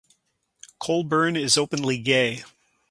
Colburn is openly gay.